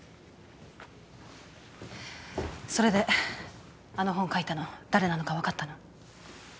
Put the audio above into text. それであの本を書いたの誰なのか分かったの？